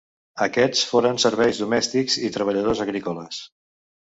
Aquests foren servents domèstics i treballadors agrícoles.